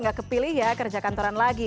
gak kepilih ya kerja kantoran lagi